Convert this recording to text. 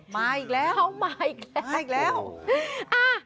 มาอีกแล้วเข้ามาอีกแล้วมาอีกแล้วอ่า